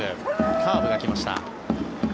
カーブが来ました。